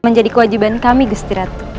menjadi kewajiban kami gestiratu